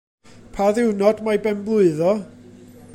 Pa ddiwrnod mae'i ben-blwydd o?